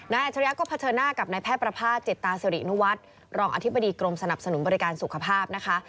อัจฉริยะก็เผชิญหน้ากับนายแพทย์ประภาษณจิตตาสิรินุวัฒน์รองอธิบดีกรมสนับสนุนบริการสุขภาพนะคะ